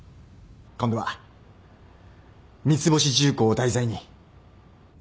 今度は三ツ星重工を題材に。